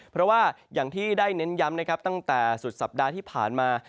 เพราะว่าอย่างที่ได้เน้นย้ำนะครับตั้งแต่สุดสัปดาห์ที่ผ่านมา